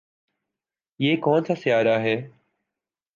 یہ کون سا سیارہ ہے